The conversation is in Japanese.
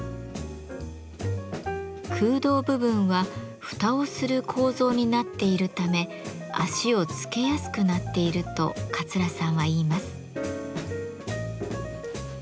空洞部分は蓋をする構造になっているため脚を付けやすくなっていると桂さんは言います。